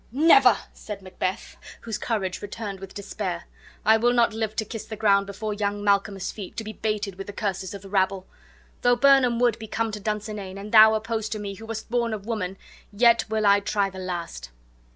'" "Never," said Macbeth, whose courage returned with despair. "I will not live to kiss the ground before young Malcolm's feet to be baited with the curses of the rabble. Though Birnam wood be come to Dunsinane, and thou opposed to me, who wast born of woman, yet will I try the last."